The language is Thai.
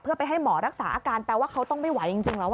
เพื่อไปให้หมอรักษาอาการแปลว่าเขาต้องไม่ไหวจริงแล้ว